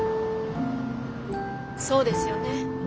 そうですよね。